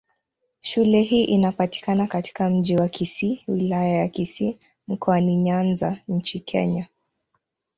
Shule hii inapatikana katika Mji wa Kisii, Wilaya ya Kisii, Mkoani Nyanza nchini Kenya.